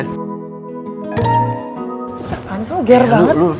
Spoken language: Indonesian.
gapapa ini selalu ger banget